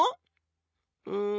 うん。